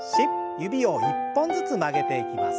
指を一本ずつ曲げていきます。